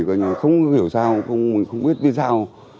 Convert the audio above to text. không hiểu sao không biết vì sao